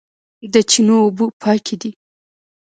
د چینو اوبه پاکې دي